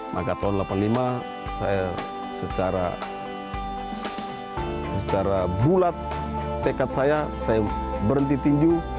maka tahun seribu sembilan ratus delapan puluh lima saya secara bulat tekad saya saya berhenti tinju